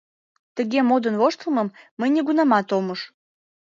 Тыге модын-воштылмым мый нигунамат ом уж.